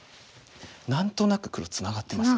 何となく黒ツナがってますよね。